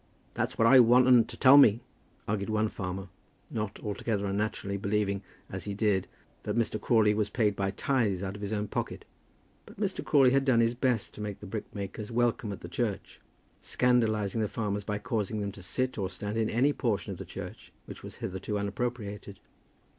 That's what I want 'un to tell me?" argued one farmer, not altogether unnaturally, believing as he did that Mr. Crawley was paid by tithes out of his own pocket. But Mr. Crawley had done his best to make the brickmakers welcome at the church, scandalizing the farmers by causing them to sit or stand in any portion of the church which was hitherto unappropriated.